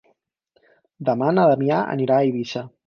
Demà na Damià anirà a Eivissa.